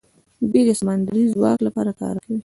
دوی د سمندري ځواک لپاره کار کوي.